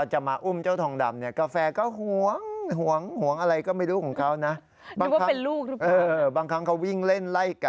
อย่าอุ้มนะน้องเขา